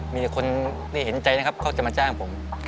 มีคนที่เห็นใจมันจะมาจ้างกับผม